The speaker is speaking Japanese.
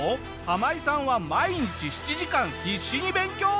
ハマイさんは毎日７時間必死に勉強。